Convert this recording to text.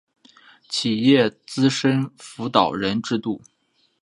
企业资深辅导人制度